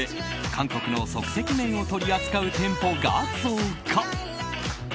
韓国の即席麺を取り扱う店舗が増加。